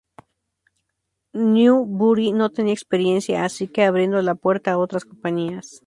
Newbury no tenía experiencia, así que abriendo la puerta a otras compañías.